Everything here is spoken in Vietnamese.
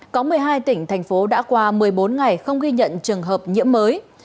có một mươi hai tỉnh thành phố đã qua một mươi bốn ngày không ghi nhận trường hợp nhiễm mới